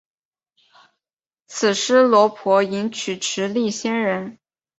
毗尸罗婆迎娶持力仙人。